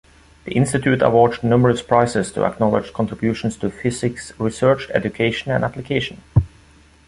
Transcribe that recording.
The Institute awards numerous prizes to acknowledge contributions to physics research, education and application.